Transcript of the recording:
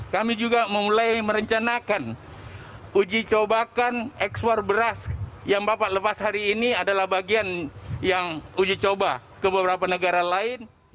kami juga memulai merencanakan uji cobakan ekspor beras yang bapak lepas hari ini adalah bagian yang uji coba ke beberapa negara lain